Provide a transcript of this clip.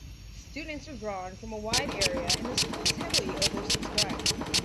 Students are drawn from a wide area and the school is heavily over-subscribed.